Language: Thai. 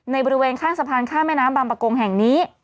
บริเวณข้างสะพานข้ามแม่น้ำบางประกงแห่งนี้